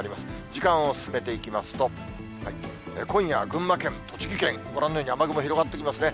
時間を進めていきますと、今夜、群馬県、栃木県、ご覧のように雨雲広がってきますね。